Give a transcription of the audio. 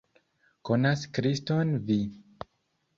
Konas Kriston vi!